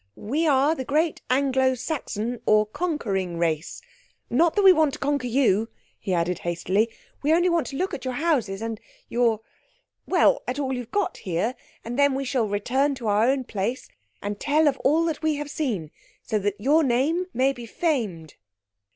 We are the great Anglo Saxon or conquering race. Not that we want to conquer you," he added hastily. "We only want to look at your houses and your—well, at all you've got here, and then we shall return to our own place, and tell of all that we have seen so that your name may be famed."